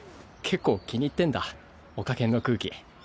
結構気に入ってんだオカ研の空気。